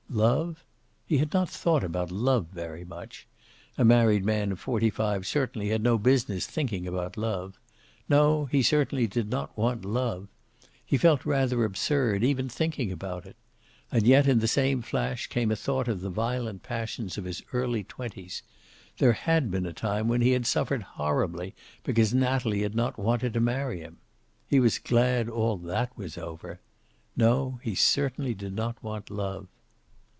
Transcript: Love? He had not thought about love very much. A married man of forty five certainly had no business thinking about love. No, he certainly did not want love. He felt rather absurd, even thinking about it. And yet, in the same flash, came a thought of the violent passions of his early twenties. There had been a time when he had suffered horribly because Natalie had not wanted to marry him. He was glad all that was over. No, he certainly did not want love.